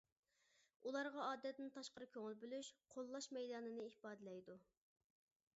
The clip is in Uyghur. ئۇلارغا ئادەتتىن تاشقىرى كۆڭۈل بۆلۈش، قوللاش مەيدانىنى ئىپادىلەيدۇ.